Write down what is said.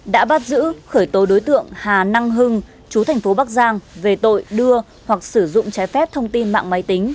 đã bắt giữ khởi tố đối tượng hà năng hưng chú thành phố bắc giang về tội đưa hoặc sử dụng trái phép thông tin mạng máy tính